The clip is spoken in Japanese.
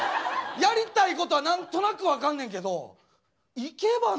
やりたいことは何となく分かんねんけど生け花やんなあ。